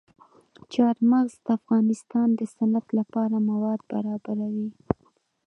چار مغز د افغانستان د صنعت لپاره مواد برابروي.